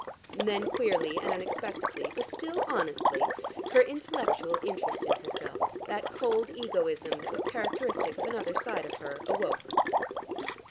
Then queerly and unexpectedly, but still honestly, her intellectual interest in herself, that cold egoism that was characteristic of another side of her, awoke.